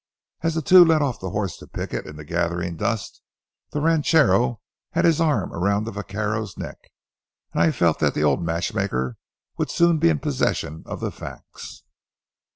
As the two led off the horse to picket in the gathering dusk, the ranchero had his arm around the vaquero's neck, and I felt that the old matchmaker would soon be in possession of the facts.